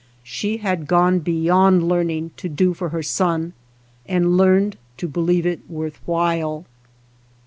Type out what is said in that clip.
She had gone beyond learning to do for her son, and learned to believe it worth while.